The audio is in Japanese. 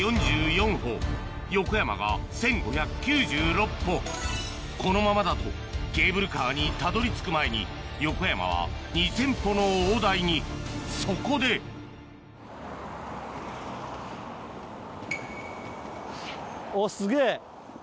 現在このままだとケーブルカーにたどり着く前に横山は２０００歩の大台にそこでおぉすげぇ。